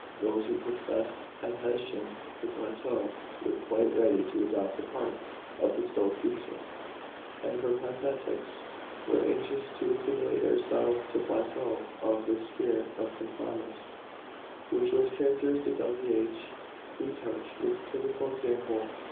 Those who professed adhesion to Plato were quite ready to adopt parts of the Stoic teaching ; and Peripatetics were anxious to assimilate Aristotle to Plato. Of this spirit of com promise, which was characteristic of the age, Plutarch was a typical example.